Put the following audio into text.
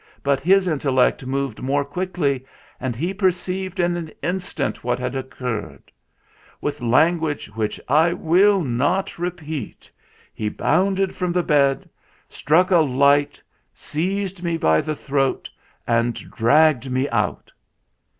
But his intellect moved more quickly, and he perceived in an instant what had occurred. With language which I will not repeat he bounded from the bed, struck a light, seized me by the throat, and dragged me out.